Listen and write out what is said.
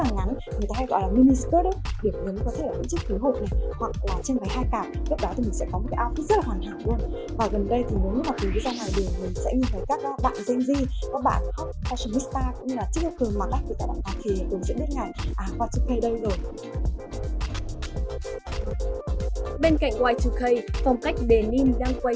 ngày à y hai k đây rồi bên cạnh y hai k phong cách denim đang quay